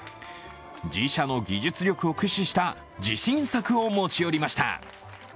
自社の技術力を駆使した自信作を持ち寄りました。